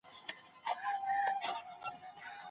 پلی تګ د زړه د روغتیا لپاره ګټور دی.